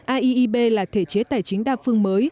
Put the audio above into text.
aiib là thể chế tài chính đa phương mới